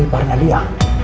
lo iparnya dia